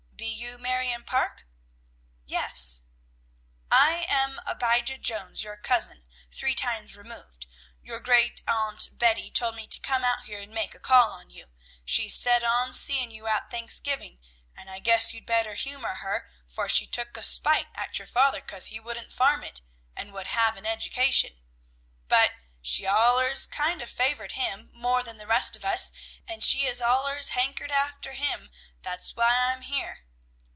"Be you Marion Parke?" "Yes." "I am Abijah Jones, your cousin, three times removed; your great aunt Betty told me to come out here and make a call on you. She's set on seeing you at Thanksgiving, and I guess you'd better humor her, for she took a spite at your father cause he wouldn't farm it, and would have an education; but she allers kind of favored him more than the rest of us, and has allers hankered after him. That's why I'm here."